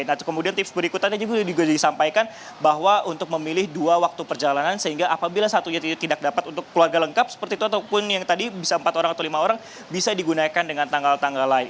nah kemudian tips berikutnya tadi juga disampaikan bahwa untuk memilih dua waktu perjalanan sehingga apabila satunya itu tidak dapat untuk keluarga lengkap seperti itu ataupun yang tadi bisa empat orang atau lima orang bisa digunakan dengan tanggal tanggal lain